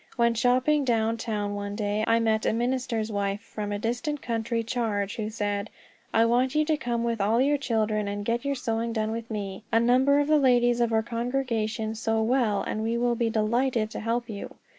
When shopping down town, one day, I met a minister's wife from a distant country charge, who said: "I want you to come with all your children, and get your sewing done with me. A number of the ladies of our congregation sew well, and will be delighted to help you."